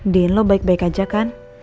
di lo baik baik aja kan